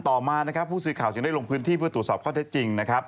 ต่อมาผู้ซื้อข่าวจึงได้ลงพื้นที่เพื่อตรวจสอบข้อเท็จจริง